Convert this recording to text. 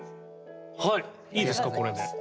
はいいいですかこれで。